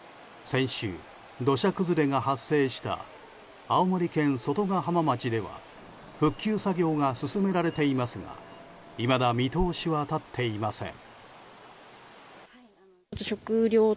先週、土砂崩れが発生した青森県外ヶ浜町では復旧作業が進められていますがいまだ見通しは立っていません。